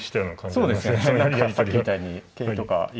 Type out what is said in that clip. そうですね。